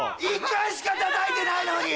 １回しかたたいてないのに！